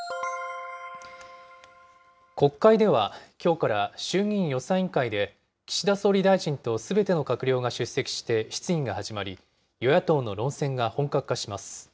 国会では、きょうから衆議院予算委員会で、岸田総理大臣とすべての閣僚が出席して質疑が始まり、与野党の論戦が本格化します。